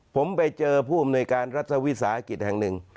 ผมไปเจอผู้อำนวยการรัฐวิสาหกิจแห่งหนึ่ง